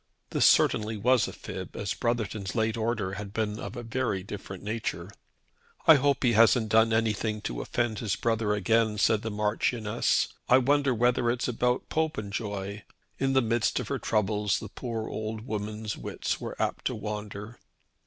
This certainly was a fib, as Brotherton's late order had been of a very different nature. "I hope he hasn't done anything to offend his brother again," said the Marchioness. "I wonder whether it's about Popenjoy!" In the midst of her troubles the poor old woman's wits were apt to wander.